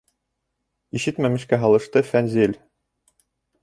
Ишетмәмешкә һалышты Фәнзил.